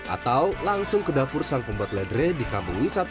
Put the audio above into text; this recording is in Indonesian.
atau langsung ke dapur sang pembuat ledre di kampung wisata